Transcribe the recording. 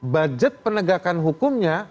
budget penegakan hukumnya